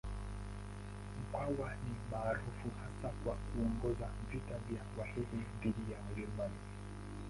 Mkwawa ni maarufu hasa kwa kuongoza vita vya Wahehe dhidi ya Wajerumani.